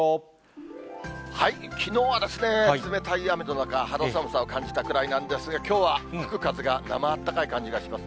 きのうはですね、冷たい雨の中、肌寒さを感じたくらいなんですが、きょうは吹く風がなま暖かい感じがします。